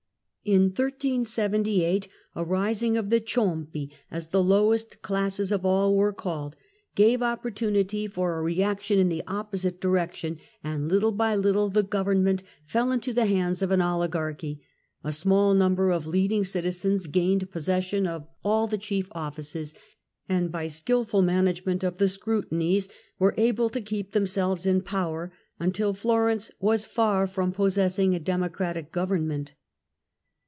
In 137^ a rising of the Cioinjn, as the lowest classes of all were called, gave opportunity for ITALY, 1382 1453 199 a reaction in the opposite direction, and little by little the government fell into the hands of an oligarchy ; a victory of small nmiiber of leading citizens gained possession of archy " all the chief offices, and by skilful management of the Scrutinies were able to keep themselves in pov^er, until Florence was far from possessing a democratic Govern ment.